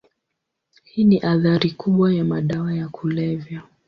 Hii ni athari kubwa ya madawa ya kulevya.